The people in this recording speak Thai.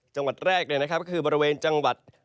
จังหวัดแรกก็คือบริเวณจังหวัด